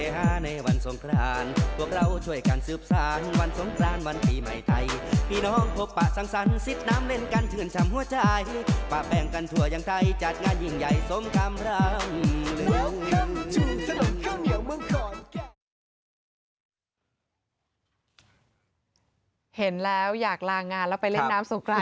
เห็นแล้วอยากลางานแล้วไปเล่นน้ำสงกราน